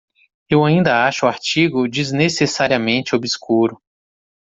Eu ainda acho o artigo desnecessariamente obscuro.